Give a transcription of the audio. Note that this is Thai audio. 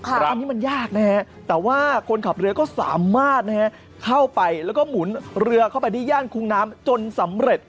อันนี้มันยากนะฮะแต่ว่าคนขับเรือก็สามารถเข้าไปแล้วก็หมุนเรือเข้าไปที่ย่านคุ้งน้ำจนสำเร็จ